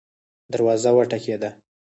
دروازه وټکیده